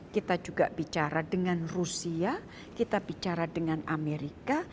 kita juga bicara dengan rusia kita bicara dengan amerika